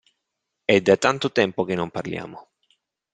È da tanto tempo che non parliamo.